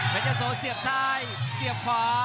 เป็นเจ้าโสเสียบซ้ายเสียบขวา